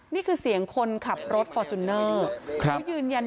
นี่คือเสียงคนขับรถฟอร์จทุนเนอร์